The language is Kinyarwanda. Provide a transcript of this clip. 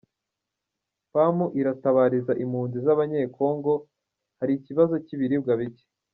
Pamu iratabariza impunzi z’abanyekongo, hari ikibazo cy’ibiribwa bike